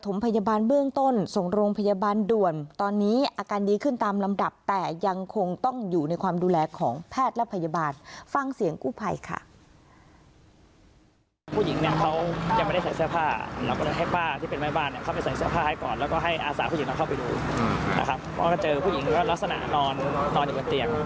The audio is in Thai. ศาสตร์สินค้าเทศอันไหนหรือเปล่าอะไรอย่างนี้